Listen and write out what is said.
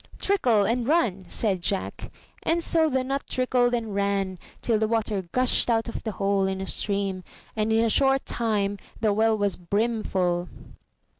'Trickle and run,'* said Jack; and so the nut trickled and ran, till the water gushed out of the hole in a stream and in a short time the well was brimfull.